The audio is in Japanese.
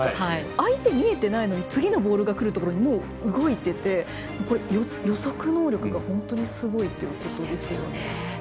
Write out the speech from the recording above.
相手見えていないのに次のボールがくるところにもう動いていて、予測能力が本当にすごいということですよね。